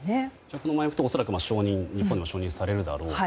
このままいくと日本でも承認されるだろうと。